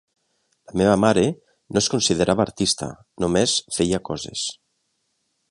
La meva mare no es considerava artista, només feia coses.